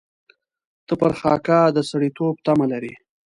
ته پر خاکه د سړېتوب تمه لرې.